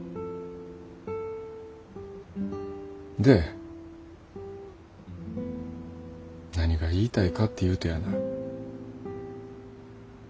で何が言いたいかっていうとやな。